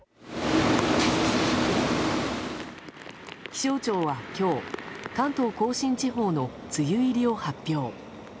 気象庁は今日関東・甲信地方の梅雨入りを発表。